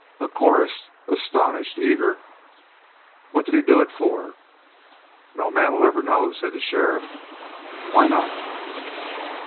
A chorus, astonished, eager. "What did he do it for?" "No man'll ever know," said the sheriff. "Why not?"